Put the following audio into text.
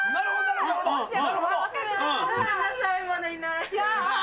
ごめんなさい、まだいない。